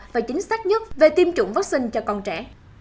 và chính xác nhất về tiêm chủng vaccine cho con trẻ